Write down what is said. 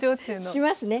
しますね。